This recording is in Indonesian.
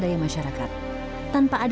dan delapan itu adalah tembang